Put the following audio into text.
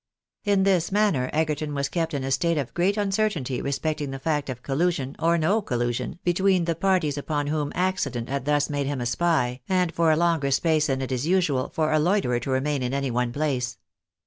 In this manner Egerton was kept in a state of great uncertainty respecting the fact of coUusion, or no collusion, between the parties upon whom accident had thus made him a spy, and for a longer space than it is usual for a loiterer to remain in any one place.